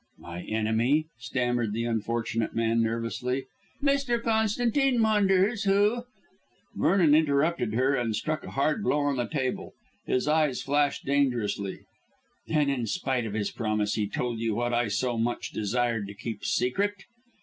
"My enemy?" stammered the unfortunate man nervously. "Mr. Constantine Maunders, who " Vernon interrupted her and struck a hard blow on the table. His eyes flashed dangerously. "Then, in spite of his promise, he told you what I so much desired to keep secret?"